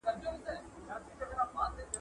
وریځو خو ژړله نن اسمان راسره وژړل!